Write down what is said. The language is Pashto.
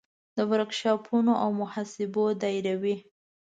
د ورکشاپونو او مصاحبو دایروي.